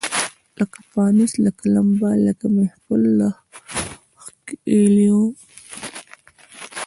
لکه پانوس لکه لمبه لکه محفل د ښکلیو